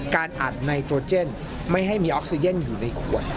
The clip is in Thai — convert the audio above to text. การอัดไนโตรเจนไม่ให้มีออกซิเจนอยู่ในขวด